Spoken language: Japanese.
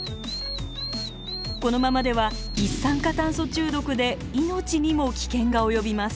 このままでは一酸化炭素中毒で命にも危険が及びます。